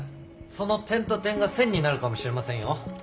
その点と点が線になるかもしれませんよ。